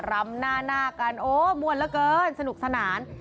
รำหน้าหน้ากันโอ้มวลเหลือเกินสนุกสนาน